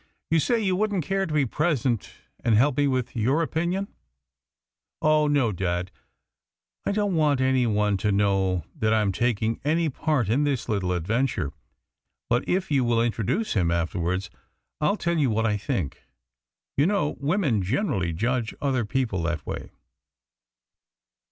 You say you wouldn't care to be present and help me with your opinion?" "Oh no, Dad. I don't want any one to know that I am taking any part in this little adventure. But if you will introduce him afterwards, I'll tell you what I think. You know, women generally judge other people that way."